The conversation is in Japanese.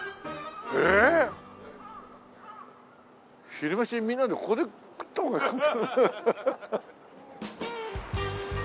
昼飯みんなでここで食った方がよかった。